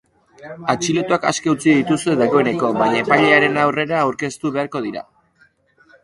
Atxilotuak aske utzi dituzte dagoeneko baina epailearen aurrera aurkeztu beharko dira.